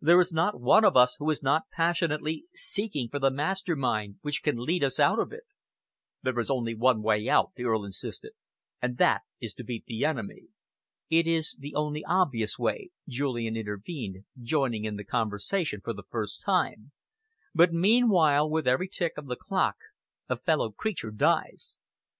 There is not one of us who is not passionately seeking for the master mind which can lead us out of it." "There is only one way out," the Earl insisted, "and that is to beat the enemy." "It is the only obvious way," Julian intervened, joining in the conversation for the first time, "but meanwhile, with every tick of the clock a fellow creature dies."